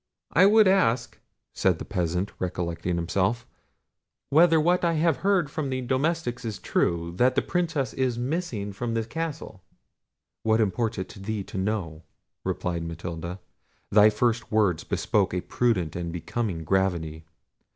"I would ask," said the peasant, recollecting himself, "whether what I have heard from the domestics is true, that the Princess is missing from the castle?" "What imports it to thee to know?" replied Matilda. "Thy first words bespoke a prudent and becoming gravity.